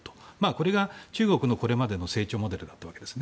これが中国の、これまでの成長モデルだったわけです。